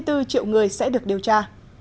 hai mươi bốn triệu người sẽ được điều tra